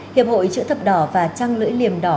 hiệp hội chữ thập đỏ và trăng lưỡi liềm đỏ